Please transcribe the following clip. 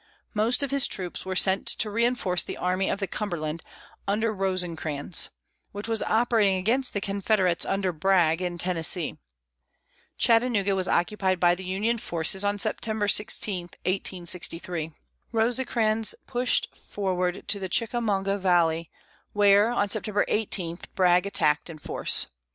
Most of his troops were sent to reinforce the Army of the Cumberland, under Rosecrans, which was operating against the Confederates under Bragg, in Tennessee. Chattanooga was occupied by the Union forces on September 16, 1863. Rosecrans pushed forward to the Chickamauga valley, where, on September 18, Bragg attacked in force.